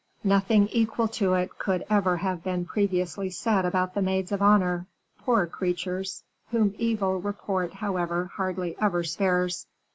Nothing equal to it could ever have been previously said about the maids of honor, poor creatures! whom evil report, however, hardly ever spares."